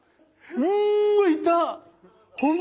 うわいた！